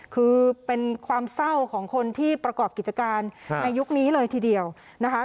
คือเป็นความเศร้าของคนที่ประกอบกิจการในยุคนี้เลยทีเดียวนะคะ